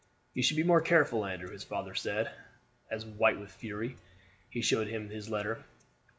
"You should be more careful, Andrew," his father said, as white with fury, he showed him his letter.